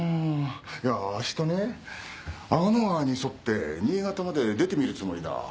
明日ね阿賀野川に沿って新潟まで出てみるつもりだ。